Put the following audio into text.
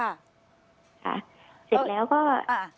ค่ะเสร็จแล้วก็ค่ะ